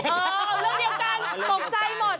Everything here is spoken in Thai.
เรื่องเดียวกันตกใจหมด